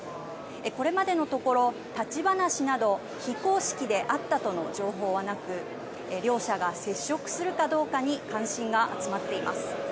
これまでのところ立ち話など非公式で会ったとの情報はなく両者が接触するかどうかに関心が集まっています。